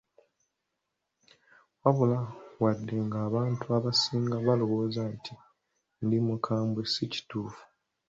"Wabula, wadde ng’abantu abasinga balowooza nti ndi mukambwe, si kituufu."